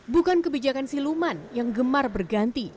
bukan kebijakan siluman yang gemar berganti